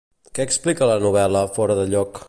Què explica la novel·la Fora de lloc?